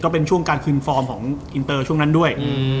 เป็นช่วงการคืนฟอร์มของอินเตอร์ช่วงนั้นด้วย